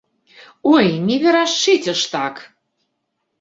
Ой, не верашчыце ж так!